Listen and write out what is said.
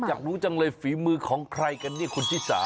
อยากรู้จังเลยฝีมือของใครกันเนี่ยคุณชิสา